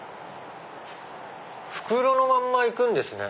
袋のまんま行くんですね。